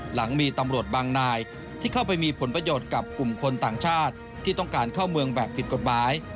หลังมีตำรวจบางนายที่เข้าไปมีผลประโยชน์กับกลุ่มคนต่างชาติที่ต้องการเข้าเมืองแบบผิดกฎหมาย